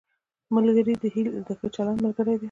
ملګری د ښه چلند ملګری دی